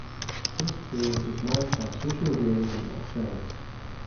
This period is marked by social realism aesthetics.